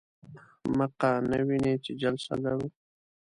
احمقه! نه وینې چې جلسه لرو.